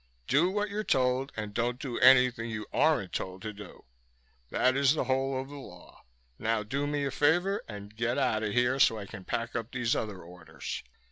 Do what you're told and don't do anything you aren't told to do; that is the whole of the law. Now do me a favor and get out of here so I can pack up these other orders."